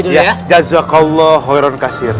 ya jazakallah khairan kasir